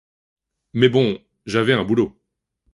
Mais bon, j’avais un boulot.